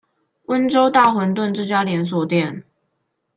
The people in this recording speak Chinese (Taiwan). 溫州大混飩這家連鎖店